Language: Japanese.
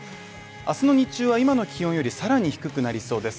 明日の日中は今の気温よりさらに低くなりそうです。